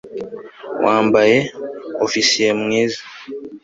wambaye, ofisiye mwiza